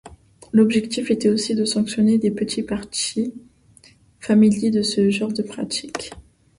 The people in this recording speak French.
L'objectif était aussi de sanctionner les petits partis, familiers de ce genre de pratiques.